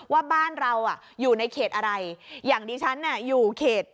ว่าบ้านเราอยู่ในเขตอะไรอย่างดิฉันอยู่เขต